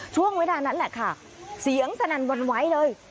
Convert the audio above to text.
ช่วงเวลานั้นแหละค่ะเสียงสนั่นวันไหวเลย